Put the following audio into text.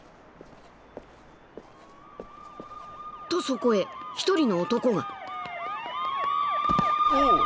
［とそこへ一人の男が］